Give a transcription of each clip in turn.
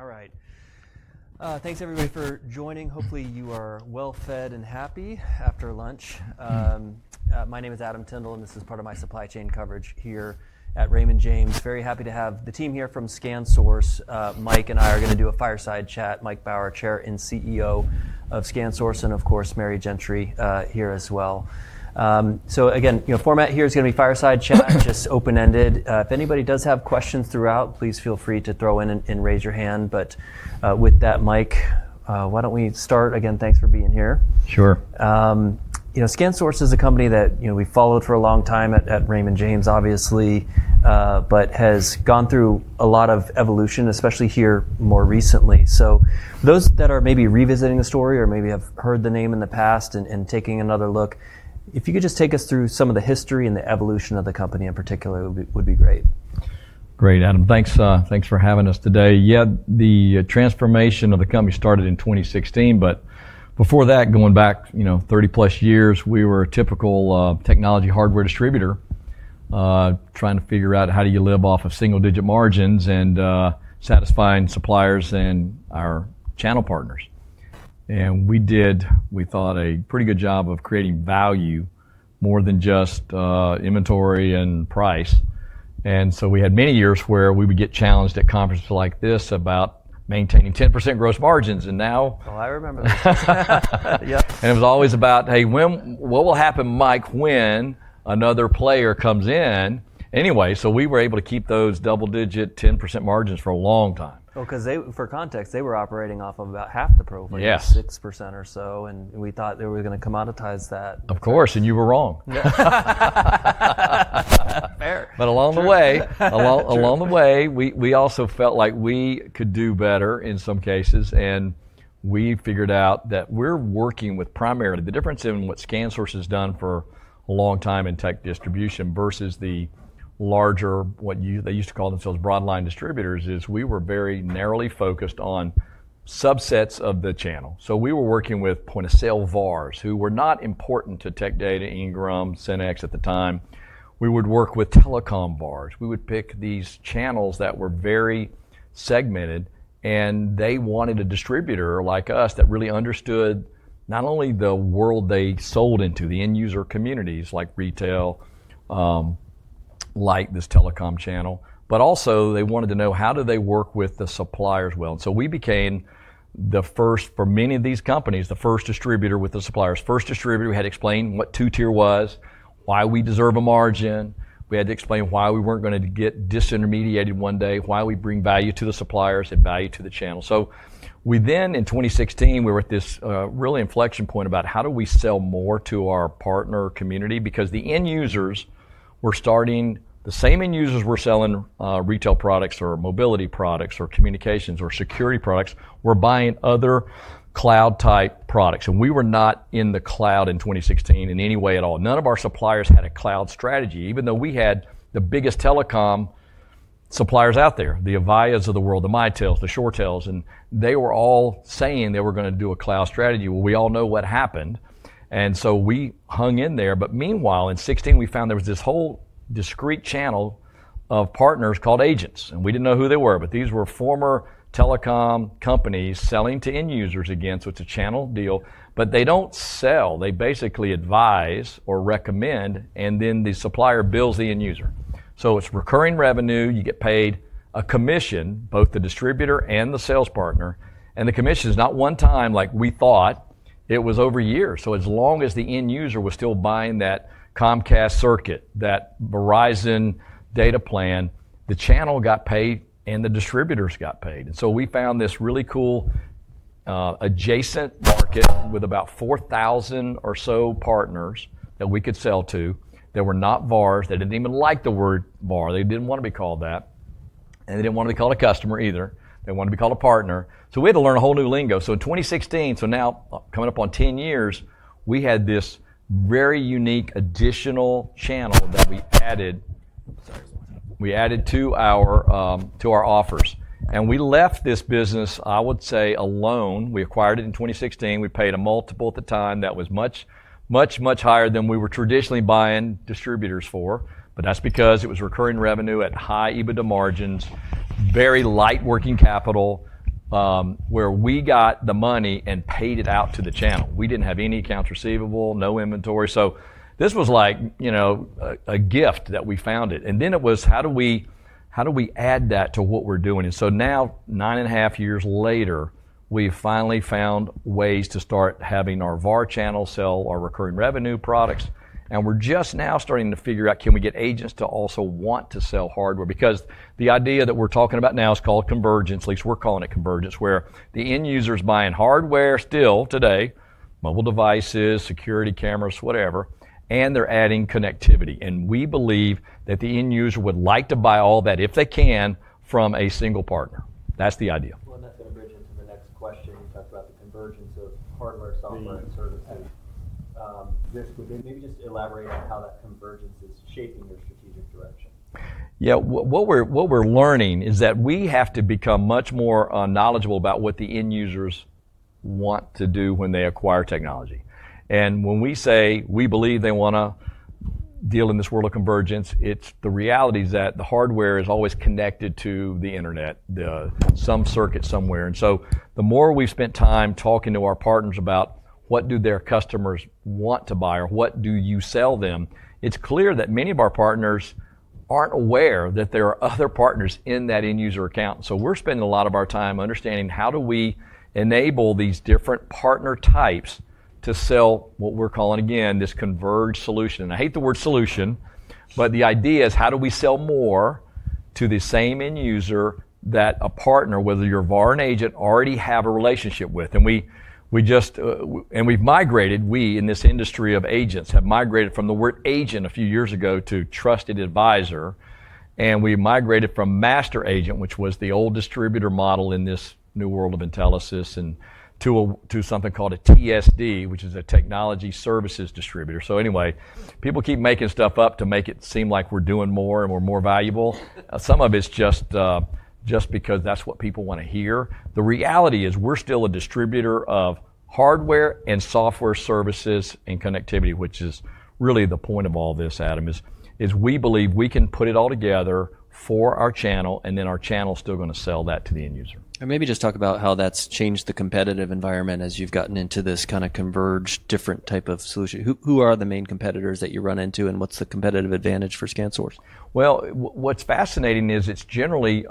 All right. Thanks everybody for joining. Hopefully you are well-fed and happy after lunch. My name is Adam Tindle, and this is part of my supply chain coverage here at Raymond James. Very happy to have the team here from ScanSource. Mike and I are going to do a fireside chat. Mike Baur, Chairman and CEO of ScanSource, and of course, Mary Gentry, here as well. So again, you know, format here is going to be fireside chat, just open-ended. If anybody does have questions throughout, please feel free to throw in and raise your hand. But with that, Mike, why don't we start? Again, thanks for being here. Sure. You know, ScanSource is a company that, you know, we've followed for a long time at Raymond James, obviously, but has gone through a lot of evolution, especially here more recently. So those that are maybe revisiting the story or maybe have heard the name in the past and taking another look, if you could just take us through some of the history and the evolution of the company in particular would be great. Great, Adam. Thanks, thanks for having us today. Yeah, the transformation of the company started in 2016, but before that, going back, you know, 30+ years, we were a typical technology hardware distributor, trying to figure out how do you live off of single-digit margins and satisfying suppliers and our channel partners. And we did. We thought a pretty good job of creating value more than just inventory and price. And so we had many years where we would get challenged at conferences like this about maintaining 10% gross margins. And now. Oh, I remember that. It was always about, hey, when, what will happen, Mike, when another player comes in? Anyway, so we were able to keep those double-digit 10% margins for a long time. Oh, because they, for context, they were operating off of about half the program, 6% or so. And we thought they were going to commoditize that. Of course. And you were wrong. Fair. Along the way, we also felt like we could do better in some cases. We figured out that we're working with primarily the difference in what ScanSource has done for a long time in tech distribution versus the larger, what they used to call themselves broadline distributors, is we were very narrowly focused on subsets of the channel. We were working with point of sale VARs, who were not important to Tech Data, Ingram, SYNNEX at the time. We would work with telecom VARs. We would pick these channels that were very segmented, and they wanted a distributor like us that really understood not only the world they sold into, the end user communities like retail, like this telecom channel, but also they wanted to know how do they work with the suppliers well. And so we became the first, for many of these companies, the first distributor with the suppliers. First distributor, we had to explain what two-tier was, why we deserve a margin. We had to explain why we weren't going to get disintermediated one day, why we bring value to the suppliers and value to the channel. So we then, in 2016, we were at this really inflection point about how do we sell more to our partner community because the end users were starting, the same end users were selling retail products or mobility products or communications or security products, were buying other cloud-type products. And we were not in the cloud in 2016 in any way at all. None of our suppliers had a cloud strategy, even though we had the biggest telecom suppliers out there, the Avayas of the world, the Mitels, the ShoreTels, and they were all saying they were going to do a cloud strategy. Well, we all know what happened, and so we hung in there, but meanwhile, in 2016, we found there was this whole discrete channel of partners called agents, and we didn't know who they were, but these were former telecom companies selling to end users again. So it's a channel deal, but they don't sell. They basically advise or recommend, and then the supplier bills the end user. So it's recurring revenue. You get paid a commission, both the distributor and the sales partner, and the commission is not one time, like we thought it was over years. So as long as the end user was still buying that Comcast circuit, that Verizon data plan, the channel got paid and the distributors got paid. And so we found this really cool, adjacent market with about 4,000 or so partners that we could sell to that were not VARs. They didn't even like the word VAR. They didn't want to be called that. They didn't want to be called a customer either. They wanted to be called a partner. So we had to learn a whole new lingo. So in 2016, so now coming up on 10 years, we had this very unique additional channel that we added. We added to our offers. And we left this business, I would say, alone. We acquired it in 2016. We paid a multiple at the time. That was much, much, much higher than we were traditionally buying distributors for, but that's because it was recurring revenue at high EBITDA margins, very light working capital, where we got the money and paid it out to the channel, we didn't have any accounts receivable, no inventory, so this was like, you know, a gift that we found, and then it was, how do we, how do we add that to what we're doing, and so now, nine and a half years later, we've finally found ways to start having our VAR channel sell our recurring revenue products, and we're just now starting to figure out, can we get agents to also want to sell hardware? Because the idea that we're talking about now is called convergence. At least we're calling it convergence, where the end user's buying hardware still today, mobile devices, security cameras, whatever, and they're adding connectivity, and we believe that the end user would like to buy all that if they can from a single partner. That's the idea. Well, and that's going to bridge into the next question. You talked about the convergence of hardware, software, and services. This would then maybe just elaborate on how that convergence is shaping your strategic direction. Yeah, what we're learning is that we have to become much more knowledgeable about what the end users want to do when they acquire technology. And when we say we believe they want to deal in this world of convergence, it's the reality that the hardware is always connected to the internet, to some circuit somewhere. And so the more we've spent time talking to our partners about what do their customers want to buy or what do you sell them, it's clear that many of our partners aren't aware that there are other partners in that end user account. So we're spending a lot of our time understanding how do we enable these different partner types to sell what we're calling, again, this converged solution. And I hate the word solution, but the idea is how do we sell more to the same end user that a partner, whether you're a VAR and agent, already have a relationship with. And we, we just, and we've migrated, we in this industry of agents have migrated from the word agent a few years ago to trusted advisor. And we migrated from master agent, which was the old distributor model in this new world of Intelisys and to something called a TSD, which is a technology services distributor. So anyway, people keep making stuff up to make it seem like we're doing more and we're more valuable. Some of it's just, just because that's what people want to hear. The reality is we're still a distributor of hardware and software services and connectivity, which is really the point of all this, Adam, is we believe we can put it all together for our channel, and then our channel is still going to sell that to the end user. And maybe just talk about how that's changed the competitive environment as you've gotten into this kind of converged different type of solution. Who are the main competitors that you run into and what's the competitive advantage for ScanSource? What's fascinating is it's generally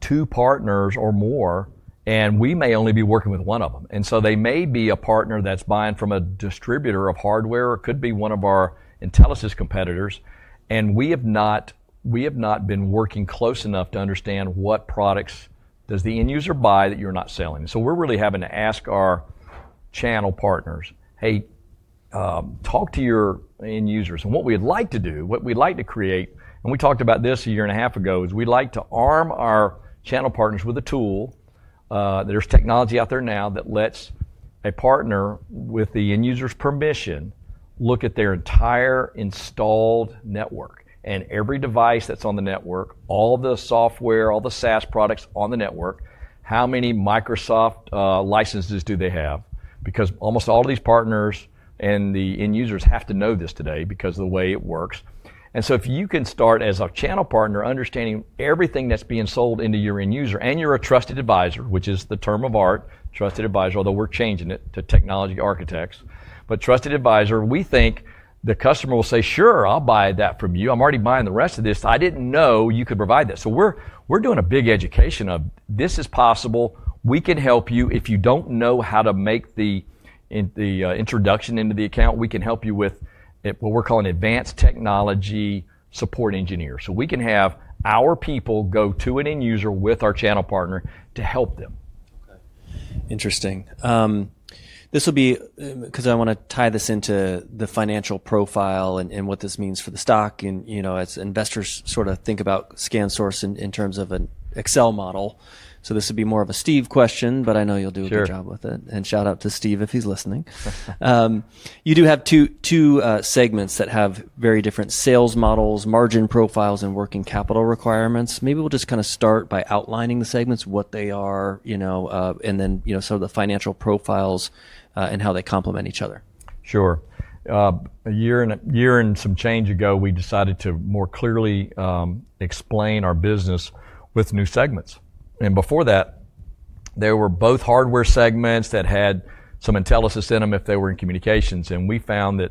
two partners or more, and we may only be working with one of them. And so they may be a partner that's buying from a distributor of hardware, or it could be one of our Intelisys competitors. And we have not been working close enough to understand what products does the end user buy that you're not selling. So we're really having to ask our channel partners, hey, talk to your end users. And what we'd like to do, what we'd like to create, and we talked about this a year and a half ago, is we'd like to arm our channel partners with a tool. There's technology out there now that lets a partner, with the end user's permission, look at their entire installed network and every device that's on the network, all the software, all the SaaS products on the network, how many Microsoft licenses do they have? Because almost all of these partners and the end users have to know this today because of the way it works. And so if you can start as a channel partner understanding everything that's being sold into your end user and you're a trusted advisor, which is the term of art, trusted advisor, although we're changing it to technology architects, but trusted advisor, we think the customer will say, "Sure, I'll buy that from you. I'm already buying the rest of this. I didn't know you could provide that." So we're doing a big education of this is possible. We can help you if you don't know how to make the introduction into the account. We can help you with what we're calling advanced technology support engineers. So we can have our people go to an end user with our channel partner to help them. Interesting. This will be because I want to tie this into the financial profile and what this means for the stock, and you know, as investors sort of think about ScanSource in terms of an Excel model, so this would be more of a Steve question, but I know you'll do a good job with it, and shout out to Steve if he's listening. You do have two segments that have very different sales models, margin profiles, and working capital requirements. Maybe we'll just kind of start by outlining the segments, what they are, you know, and then, you know, sort of the financial profiles, and how they complement each other. Sure. A year and a year and some change ago, we decided to more clearly explain our business with new segments. And before that, there were both hardware segments that had some Intelisys in them if they were in communications. And we found that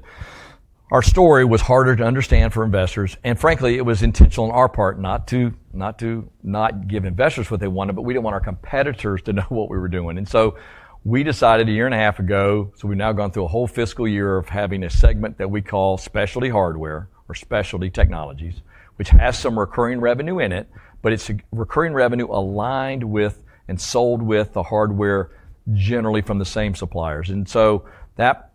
our story was harder to understand for investors. And frankly, it was intentional on our part not to, not to not give investors what they wanted, but we didn't want our competitors to know what we were doing. And so we decided a year and a half ago, so we've now gone through a whole fiscal year of having a segment that we call specialty hardware or specialty technologies, which has some recurring revenue in it, but it's recurring revenue aligned with and sold with the hardware generally from the same suppliers. And so that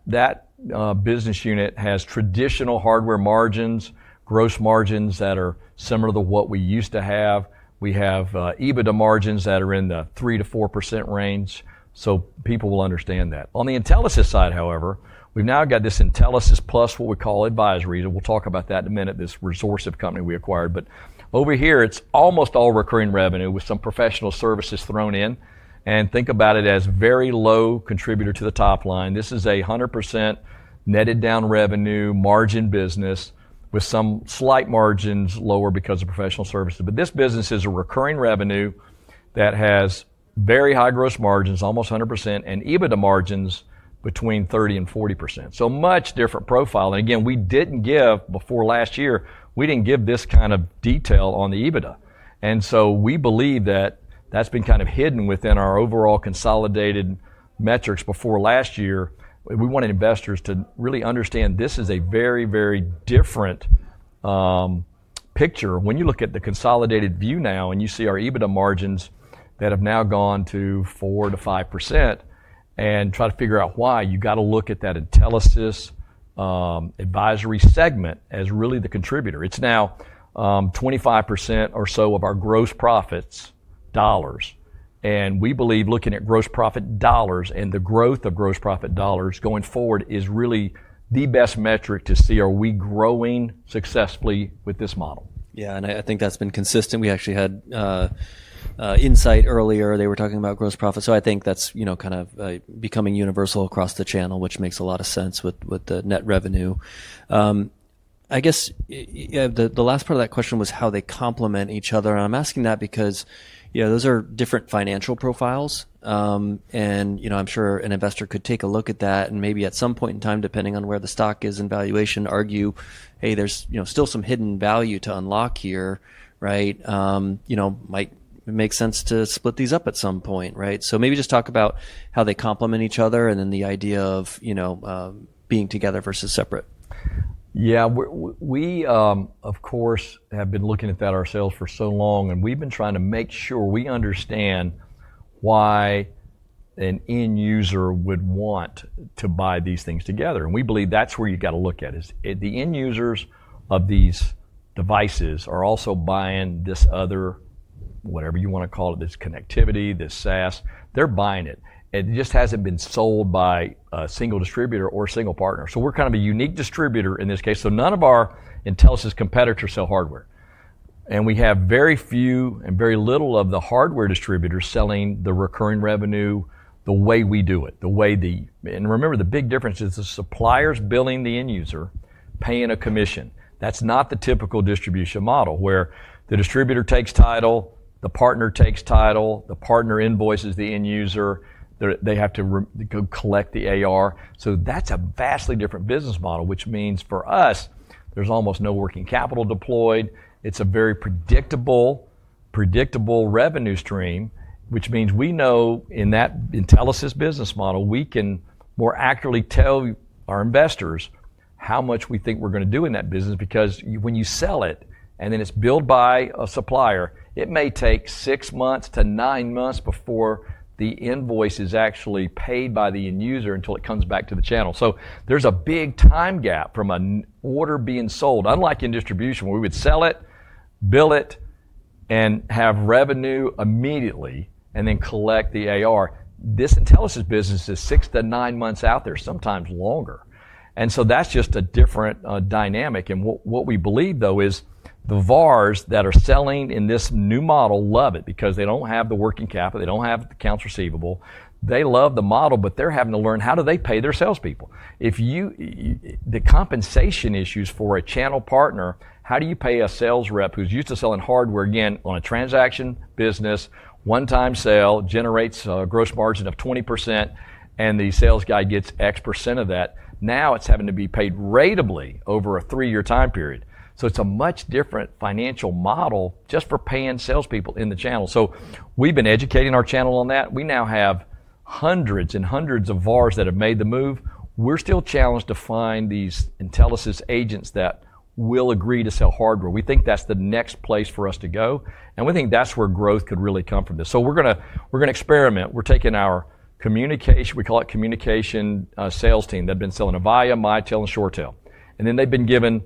business unit has traditional hardware margins, gross margins that are similar to what we used to have. We have EBITDA margins that are in the 3%-4% range. So people will understand that. On the Intelisys side, however, we've now got this Intelisys plus what we call Advisory. We'll talk about that in a minute, this Resourcive company we acquired. But over here, it's almost all recurring revenue with some professional services thrown in. And think about it as very low contributor to the top line. This is a 100% netted down revenue margin business with some slight margins lower because of professional services. But this business is a recurring revenue that has very high gross margins, almost 100%, and EBITDA margins between 30%-40%. So much different profile. And again, we didn't give, before last year, we didn't give this kind of detail on the EBITDA. So we believe that that's been kind of hidden within our overall consolidated metrics before last year. We wanted investors to really understand this is a very, very different picture. When you look at the consolidated view now and you see our EBITDA margins that have now gone to 4%-5% and try to figure out why, you got to look at that Intelisys Advisory segment as really the contributor. It's now 25% or so of our gross profits dollars. And we believe looking at gross profit dollars and the growth of gross profit dollars going forward is really the best metric to see, are we growing successfully with this model. Yeah, and I think that's been consistent. We actually had insight earlier. They were talking about gross profits. So I think that's, you know, kind of becoming universal across the channel, which makes a lot of sense with the net revenue. I guess the last part of that question was how they complement each other. And I'm asking that because, you know, those are different financial profiles. And, you know, I'm sure an investor could take a look at that and maybe at some point in time, depending on where the stock is in valuation, argue, hey, there's, you know, still some hidden value to unlock here, right? You know, might make sense to split these up at some point, right? So maybe just talk about how they complement each other and then the idea of, you know, being together versus separate. Yeah, we, of course, have been looking at that ourselves for so long, and we've been trying to make sure we understand why an end user would want to buy these things together. And we believe that's where you've got to look at is the end users of these devices are also buying this other, whatever you want to call it, this connectivity, this SaaS, they're buying it. And it just hasn't been sold by a single distributor or single partner. So we're kind of a unique distributor in this case. So none of our Intelisys competitors sell hardware. And we have very few and very little of the hardware distributors selling the recurring revenue the way we do it, the way the, and remember the big difference is the supplier's billing the end user, paying a commission. That's not the typical distribution model where the distributor takes title, the partner takes title, the partner invoices the end user, they have to collect the AR. So that's a vastly different business model, which means for us, there's almost no working capital deployed. It's a very predictable, predictable revenue stream, which means we know in that Intelisys business model, we can more accurately tell our investors how much we think we're going to do in that business because when you sell it and then it's billed by a supplier, it may take six months to nine months before the invoice is actually paid by the end user until it comes back to the channel. So there's a big time gap from an order being sold, unlike in distribution, where we would sell it, bill it, and have revenue immediately and then collect the AR. This Intelisys business is six to nine months out there, sometimes longer, and so that's just a different dynamic. What we believe though is the VARs that are selling in this new model love it because they don't have the working capital. They don't have the accounts receivable. They love the model, but they're having to learn how do they pay their salespeople. If you, the compensation issues for a channel partner, how do you pay a sales rep who's used to selling hardware, again, on a transaction business, one-time sale generates a gross margin of 20%, and the sales guy gets X% of that. Now it's having to be paid ratably over a three-year time period. So it's a much different financial model just for paying salespeople in the channel. We've been educating our channel on that. We now have hundreds and hundreds of VARs that have made the move. We're still challenged to find these Intelisys agents that will agree to sell hardware. We think that's the next place for us to go, and we think that's where growth could really come from this, so we're going to, we're going to experiment. We're taking our communication, we call it Communication Sales Team. They've been selling Avaya, Mitel, and ShoreTel, and then they've been given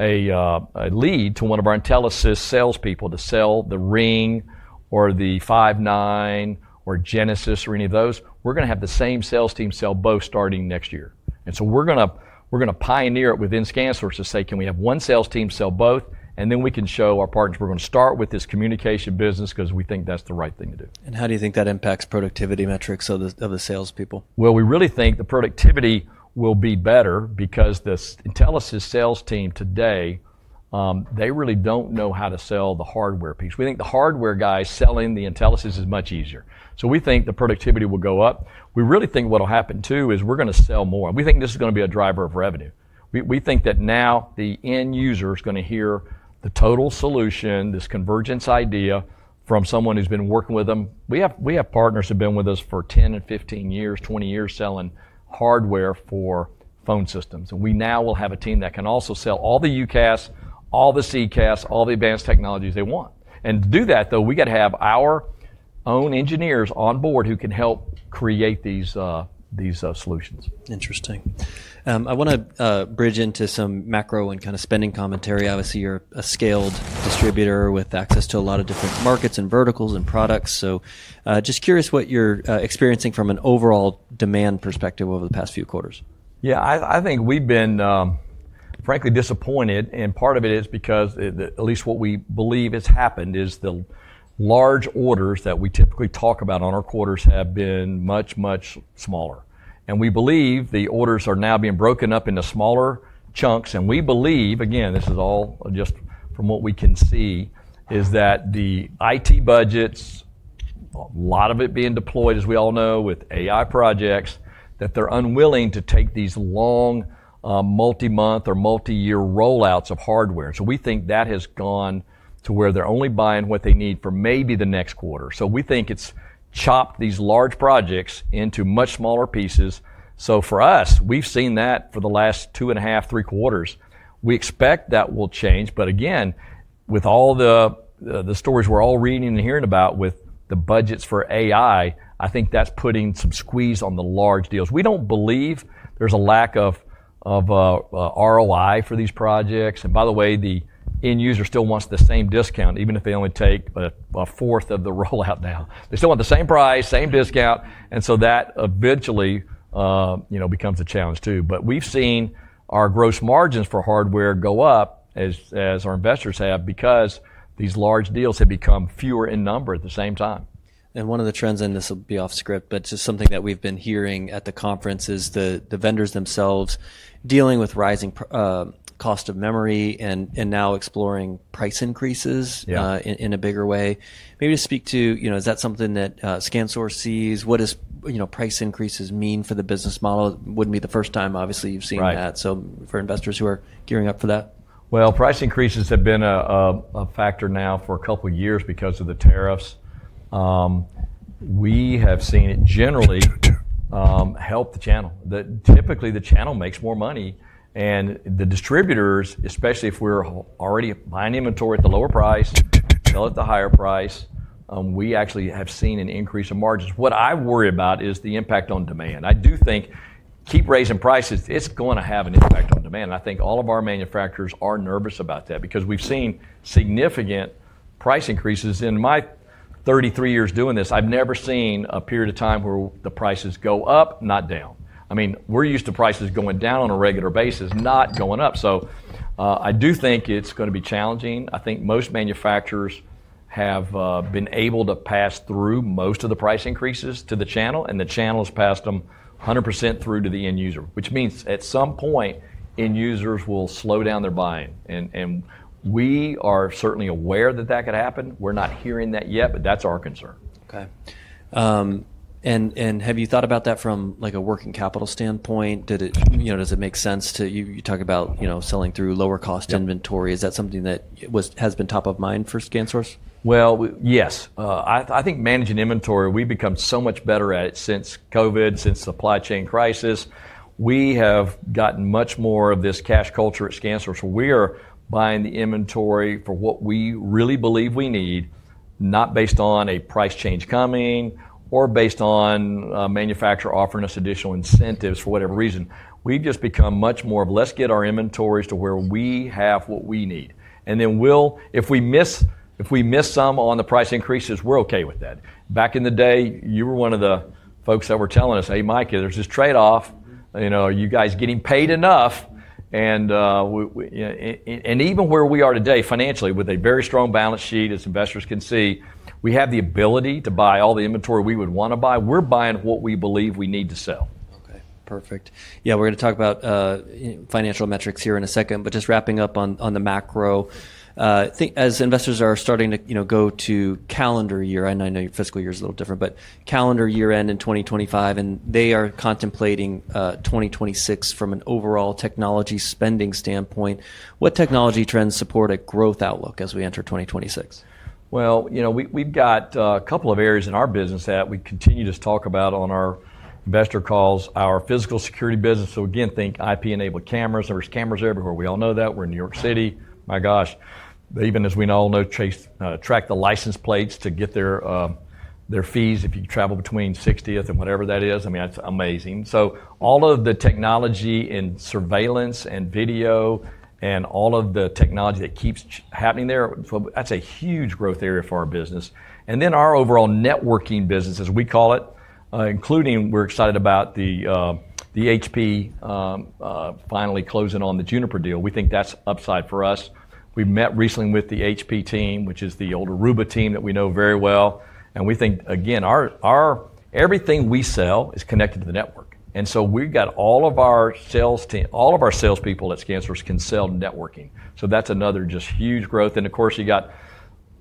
a lead to one of our Intelisys salespeople to sell the RingCentral or the Five9 or Genesys or any of those. We're going to have the same sales team sell both starting next year, and so we're going to, we're going to pioneer it within ScanSource to say, can we have one sales team sell both? And then we can show our partners, we're going to start with this communication business because we think that's the right thing to do. How do you think that impacts productivity metrics of the salespeople? We really think the productivity will be better because this Intelisys sales team today, they really don't know how to sell the hardware piece. We think the hardware guy selling the Intelisys is much easier. So we think the productivity will go up. We really think what'll happen too is we're going to sell more. We think this is going to be a driver of revenue. We think that now the end user is going to hear the total solution, this convergence idea from someone who's been working with them. We have partners who have been with us for 10 and 15 years, 20 years selling hardware for phone systems. And we now will have a team that can also sell all the UCaaS, all the CCaaS, all the advanced technologies they want. To do that though, we got to have our own engineers on board who can help create these solutions. Interesting. I want to bridge into some macro and kind of spending commentary. Obviously, you're a scaled distributor with access to a lot of different markets and verticals and products. So, just curious what you're experiencing from an overall demand perspective over the past few quarters? Yeah, I think we've been, frankly, disappointed, and part of it is because at least what we believe has happened is the large orders that we typically talk about on our quarters have been much, much smaller, and we believe the orders are now being broken up into smaller chunks, and we believe, again, this is all just from what we can see, is that the IT budgets, a lot of it being deployed, as we all know, with AI projects, that they're unwilling to take these long, multi-month or multi-year rollouts of hardware. So we think that has gone to where they're only buying what they need for maybe the next quarter, so we think it's chopped these large projects into much smaller pieces, so for us, we've seen that for the last two and a half, three quarters. We expect that will change. But again, with all the stories we're all reading and hearing about with the budgets for AI, I think that's putting some squeeze on the large deals. We don't believe there's a lack of ROI for these projects. And by the way, the end user still wants the same discount, even if they only take a fourth of the rollout now. They still want the same price, same discount. And so that eventually, you know, becomes a challenge too. But we've seen our gross margins for hardware go up as our investors have because these large deals have become fewer in number at the same time. One of the trends, and this will be off script, but just something that we've been hearing at the conference is the vendors themselves dealing with rising cost of memory and now exploring price increases in a bigger way. Maybe to speak to, you know, is that something that ScanSource sees? What does, you know, price increases mean for the business model? Wouldn't be the first time, obviously, you've seen that. For investors who are gearing up for that. Price increases have been a factor now for a couple of years because of the tariffs. We have seen it generally help the channel. Typically, the channel makes more money. And the distributors, especially if we're already buying inventory at the lower price, sell at the higher price. We actually have seen an increase in margins. What I worry about is the impact on demand. I do think keep raising prices, it's going to have an impact on demand. And I think all of our manufacturers are nervous about that because we've seen significant price increases. In my 33 years doing this, I've never seen a period of time where the prices go up, not down. I mean, we're used to prices going down on a regular basis, not going up. I do think it's going to be challenging. I think most manufacturers have been able to pass through most of the price increases to the channel, and the channel has passed them 100% through to the end user, which means at some point end users will slow down their buying. And we are certainly aware that that could happen. We're not hearing that yet, but that's our concern. Okay. Have you thought about that from like a working capital standpoint? You know, does it make sense to you talk about, you know, selling through lower cost inventory? Is that something that has been top of mind for ScanSource? Yes. I think managing inventory, we've become so much better at it since COVID, since the supply chain crisis. We have gotten much more of this cash culture at ScanSource. We are buying the inventory for what we really believe we need, not based on a price change coming or based on a manufacturer offering us additional incentives for whatever reason. We've just become much more of, let's get our inventories to where we have what we need. And then we'll, if we miss, if we miss some on the price increases, we're okay with that. Back in the day, you were one of the folks that were telling us, hey, Mike, there's this trade-off, you know, are you guys getting paid enough? You know, and even where we are today financially with a very strong balance sheet, as investors can see, we have the ability to buy all the inventory we would want to buy. We're buying what we believe we need to sell. Okay. Perfect. Yeah. We're going to talk about financial metrics here in a second, but just wrapping up on the macro. I think as investors are starting to, you know, go to calendar year, and I know your fiscal year is a little different, but calendar year end in 2025, and they are contemplating 2026 from an overall technology spending standpoint. What technology trends support a growth outlook as we enter 2026? You know, we've got a couple of areas in our business that we continue to talk about on our investor calls, our physical security business. So again, think IP-enabled cameras. There's cameras everywhere. We all know that. We're in New York City. My gosh, even as we all know, they chase, track the license plates to get their fees if you travel between 60th and whatever that is. I mean, that's amazing. So all of the technology and surveillance and video and all of the technology that keeps happening there, that's a huge growth area for our business. And then our overall networking business, as we call it, including we're excited about the HP finally closing on the Juniper deal. We think that's upside for us. We met recently with the HP team, which is the old Aruba team that we know very well. And we think, again, our everything we sell is connected to the network. And so we've got all of our sales team, all of our salespeople at ScanSource can sell networking. So that's another just huge growth. And of course, you got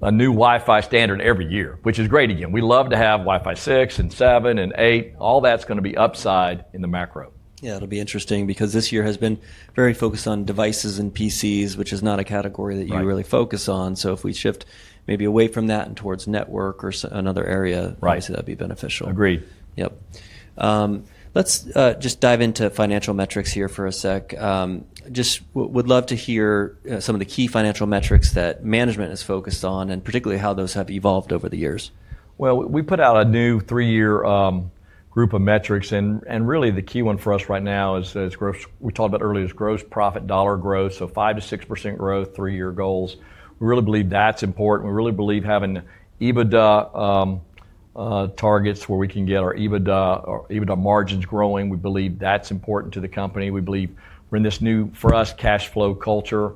a new Wi-Fi standard every year, which is great. Again, we love to have Wi-Fi 6, 7, and 8. All that's going to be upside in the macro. Yeah. It'll be interesting because this year has been very focused on devices and PCs, which is not a category that you really focus on. So if we shift maybe away from that and towards network or another area, obviously that'd be beneficial. Agreed. Yep. Let's just dive into financial metrics here for a sec. Just would love to hear some of the key financial metrics that management is focused on and particularly how those have evolved over the years. We put out a new three-year group of metrics. Really the key one for us right now is gross profit dollar growth we talked about earlier: 5%-6% growth, three-year goals. We really believe that's important. We really believe having EBITDA targets where we can get our EBITDA margins growing. We believe that's important to the company. We believe we're in this new for us cash flow culture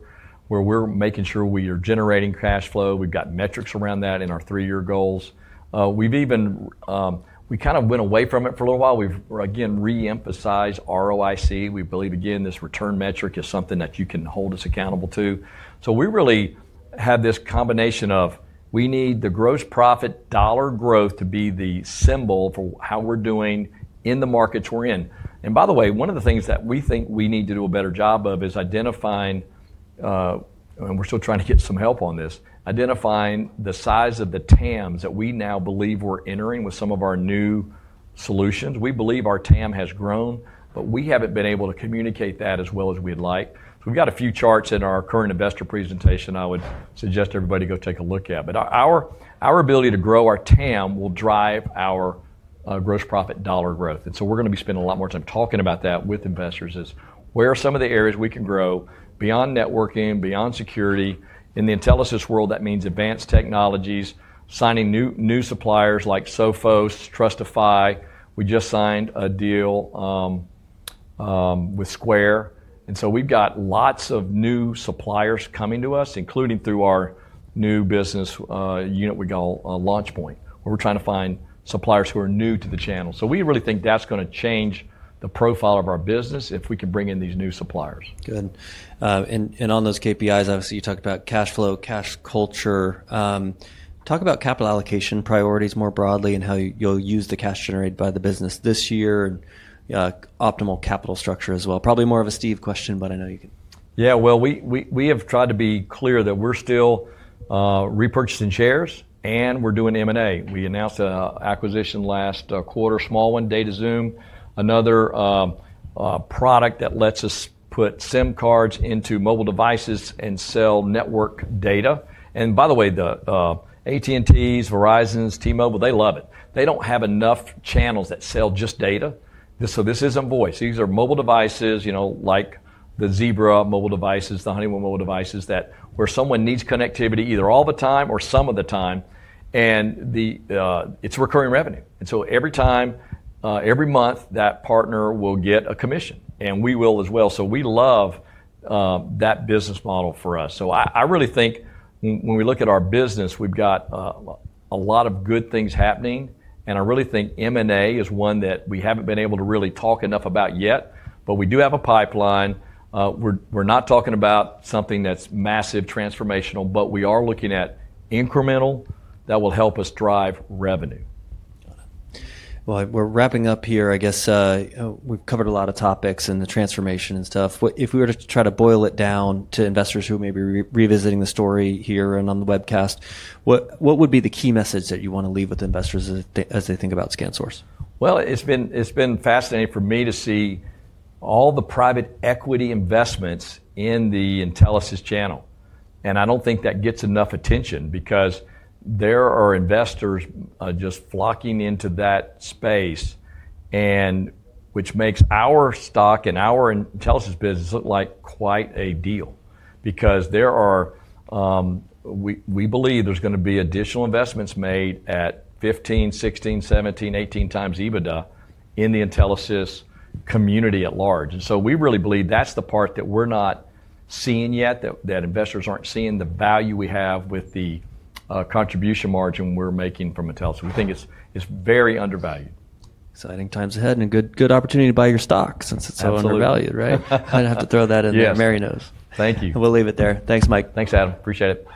where we're making sure we are generating cash flow. We've got metrics around that in our three-year goals. We've even kind of went away from it for a little while. We've again reemphasized ROIC. We believe again this return metric is something that you can hold us accountable to. We really have this combination of we need the gross profit dollar growth to be the symbol for how we're doing in the markets we're in. By the way, one of the things that we think we need to do a better job of is identifying, and we're still trying to get some help on this, identifying the size of the TAMs that we now believe we're entering with some of our new solutions. We believe our TAM has grown, but we haven't been able to communicate that as well as we'd like. We've got a few charts in our current investor presentation. I would suggest everybody go take a look at it. Our ability to grow our TAM will drive our gross profit dollar growth. And so we're going to be spending a lot more time talking about that with investors: where are some of the areas we can grow beyond networking, beyond security in the Intelisys world. That means advanced technologies, signing new, new suppliers like Sophos, Trustifi. We just signed a deal with Square. And so we've got lots of new suppliers coming to us, including through our new business unit we call a Launch Point, where we're trying to find suppliers who are new to the channel. So we really think that's going to change the profile of our business if we can bring in these new suppliers. Good. And on those KPIs, obviously you talked about cash flow, cash culture. Talk about capital allocation priorities more broadly and how you'll use the cash generated by the business this year and optimal capital structure as well. Probably more of a Steve question, but I know you can. Yeah. Well, we have tried to be clear that we're still repurchasing shares and we're doing M&A. We announced an acquisition last quarter, small one, DataXoom, another product that lets us put SIM cards into mobile devices and sell network data. And by the way, the AT&Ts, Verizons, T-Mobile, they love it. They don't have enough channels that sell just data. So this isn't voice. These are mobile devices, you know, like the Zebra mobile devices, the Honeywell mobile devices that, where someone needs connectivity either all the time or some of the time. And it's recurring revenue. And so every time, every month that partner will get a commission and we will as well. So we love that business model for us. So I really think when we look at our business, we've got a lot of good things happening. I really think M&A is one that we haven't been able to really talk enough about yet, but we do have a pipeline. We're not talking about something that's massive transformational, but we are looking at incremental that will help us drive revenue. Got it. Well, we're wrapping up here, I guess, we've covered a lot of topics and the transformation and stuff. If we were to try to boil it down to investors who may be revisiting the story here and on the webcast, what, what would be the key message that you want to leave with investors as they think about ScanSource? It's been fascinating for me to see all the private equity investments in the Intelisys channel. And I don't think that gets enough attention because there are investors just flocking into that space, and which makes our stock and our Intelisys business look like quite a deal because we believe there's going to be additional investments made at 15-18 times EBITDA in the Intelisys community at large. And so we really believe that's the part that we're not seeing yet, that investors aren't seeing the value we have with the contribution margin we're making from Intelisys. We think it's very undervalued. Exciting times ahead and a good, good opportunity to buy your stock since it's so undervalued, right? I didn't have to throw that in there. Mary knows. Thank you. We'll leave it there. Thanks, Mike. Thanks, Adam. Appreciate it.